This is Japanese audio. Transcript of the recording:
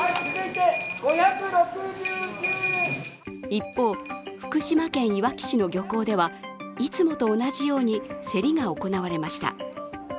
一方、福島県いわき市の漁港ではいつもと同じように競りが行われました。